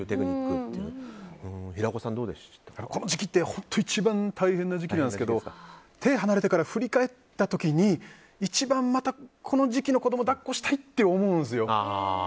この時期って本当に一番大変な時期なんですけど手を離れて振り返った時に一番この時期の子供を抱っこしたいと思うんですよ。